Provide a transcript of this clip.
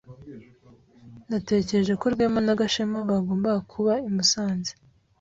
Natekereje ko Rwema na Gashema bagombaga kuba i Musanze.